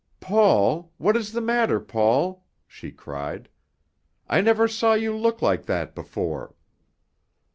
"Paul! What is the matter, Paul?" she cried. "I never saw you look like that before."